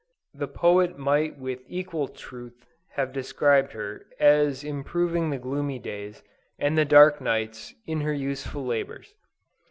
The poet might with equal truth have described her, as improving the gloomy days, and the dark nights, in her useful labors.